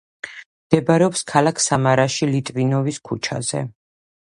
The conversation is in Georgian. მდებარეობს ქალაქ სამარაში ლიტვინოვის ქუჩაზე.